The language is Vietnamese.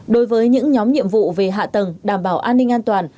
đối với những nhóm nhiệm vụ về hạ tầng đảm bảo an ninh an toàn